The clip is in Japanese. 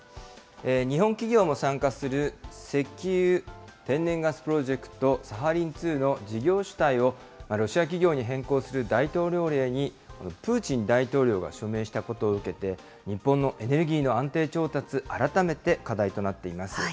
日本企業も参加する、石油・天然ガスプロジェクト、サハリン２の事業主体を、ロシア企業に変更する大統領令にプーチン大統領が署名したことを受けて、日本のエネルギーの安定調達、改めて課題となっています。